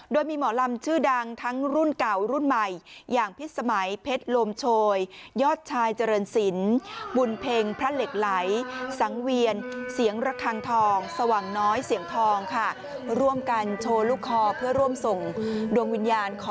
โดยมีหมอลำชื่อดังทั้งรุ่นเกาะรุ่นใหม่อย่างพฤษมัยเพชรโลมโชยยอดชายเจริญศิลป์บุญเพงภรรย์เหล็กไหลสังเวียนเสียงระคังทองสว่างน้อยเสียงทองร่วมกันโชลกคอเพื่อร่วมส่งดวงวิญญาณชาติที่สำหรับเพศรภัณฑ์ศาลบริโภคล่ะ